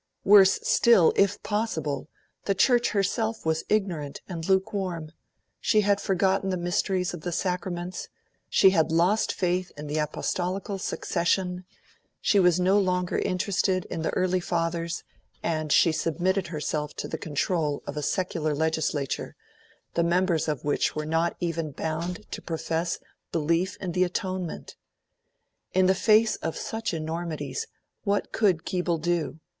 Worse still, if possible, the Church herself was ignorant and lukewarm; she had forgotten the mysteries of the sacraments, she had lost faith in the Apostolical Succession; she was no longer interested in the Early Fathers; and she submitted herself to the control of a secular legislature, the members of which were not even bound to profess belief in the Atonement. In the face of such enormities what could Keble do?